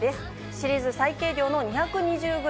シリーズ最軽量の２２０ｇ。